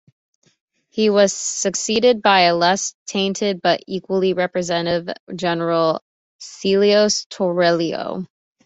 He was succeeded by a less tainted but equally repressive general, Celso Torrelio.